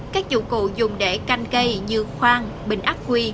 các dụng cụ dùng để canh cây như khoang bình ác quy